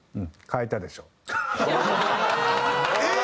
「えっ！」。